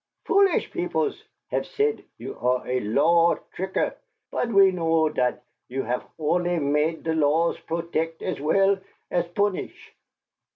Foolish peobles hef sait you are a law tricker, but we know dot you hef only mate der laws brotect as well as bunish.